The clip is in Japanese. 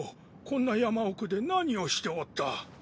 こんな山奥で何をしておった？